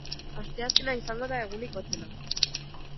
Asteazkena izango da egunik hotzena.